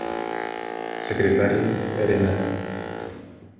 Secretaria de "Arenal.